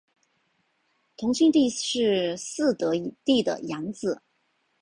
同庆帝是嗣德帝的养子。